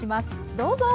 どうぞ！